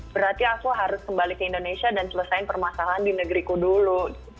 berarti aku harus kembali ke indonesia dan selesaikan permasalahan di negeriku dulu